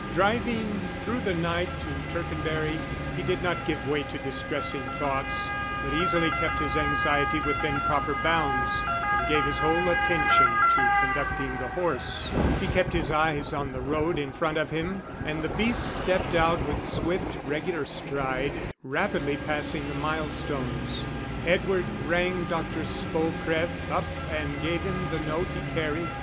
Driving through the night to Tercanbury he did not give way to distressing thoughts, but easily kept his anxiety within proper bounds, and gave his whole attention to conducting the horse; he kept his eyes on the road in front of him, and the beast stepped out with swift, regular stride, rapidly passing the milestones. Edward rang Dr. Spocref up and gave him the note he carried.